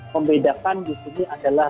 membedakan di sini adalah